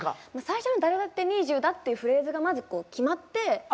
最初の「誰だってｎｅｅｄｙｏｕだ」っていうフレーズがまず決まって。